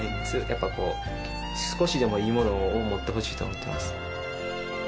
やっぱこう少しでもいいものを持ってほしいと思ってます